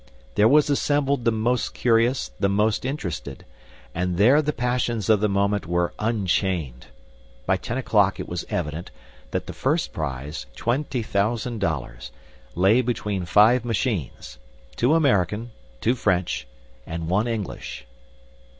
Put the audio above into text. There were assembled the most curious, the most interested; and there the passions of the moment were unchained. By ten o'clock it was evident, that the first prize, twenty thousand dollars, lay between five machines, two American, two French, and one English.